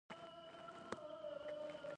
باز تل خپل ځای بدلوي